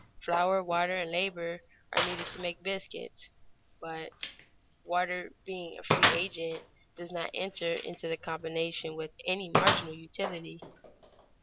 Flour, water, and labor are needed to make biscuits; but water being a free agent, does not enter into the combination with any marginal utility.